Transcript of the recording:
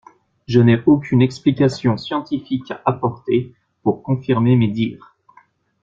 Je n’ai aucune explication scientifique à apporter pour confirmer mes dires.